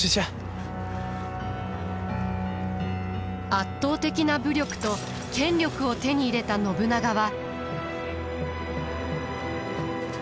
圧倒的な武力と権力を手に入れた信長は。